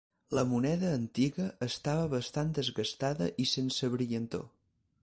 La moneda antiga estava bastant desgastada i sense brillantor.